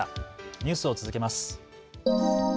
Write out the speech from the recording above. ニュースを続けます。